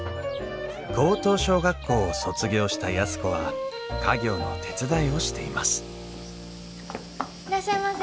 高等小学校を卒業した安子は家業の手伝いをしていますいらっしゃいませ。